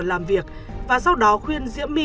làm việc và sau đó khuyên diễm my